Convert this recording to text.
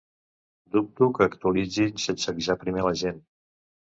Dubto que actualitzin sense avisar primer la gent.